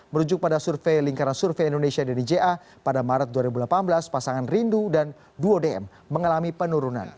merujuk pada survei lingkaran survei indonesia dari ja pada maret dua ribu delapan belas pasangan rindu dan duo dm mengalami penurunan